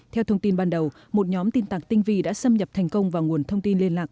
theo thông tin ban đầu một nhóm tin tạc tinh vi đã xâm nhập thành công vào nguồn thông tin liên lạc